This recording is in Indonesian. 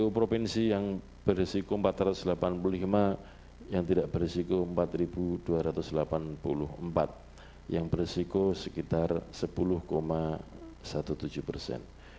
tujuh provinsi yang berisiko empat ratus delapan puluh lima yang tidak berisiko empat dua ratus delapan puluh empat yang beresiko sekitar sepuluh tujuh belas persen